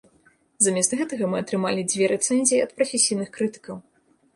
Замест гэтага мы атрымалі дзве рэцэнзіі ад прафесійных крытыкаў.